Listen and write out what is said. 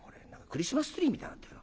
クリスマスツリーみたいになってる。